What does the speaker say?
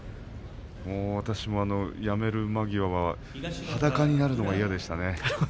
私もやめる間際は裸になのは嫌でしたね。